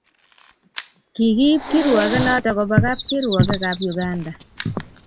Kikiip kirwokenoto koba kapkirwokekab Uganda.